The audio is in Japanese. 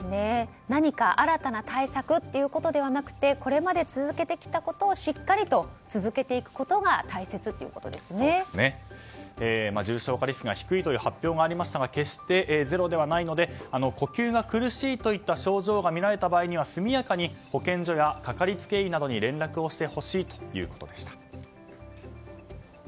何か新たな対策ということではなくてこれまで続けてきたことをしっかりと続けていくことが重症化リスクが低いという発表がありましたが決してゼロではないので呼吸が苦しいといった症状が見られた場合には速やかに保健所やかかりつけ医などに連絡してほしいということでした。